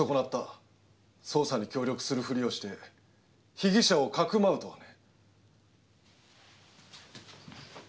捜査に協力するふりをして被疑者をかくまうとはね。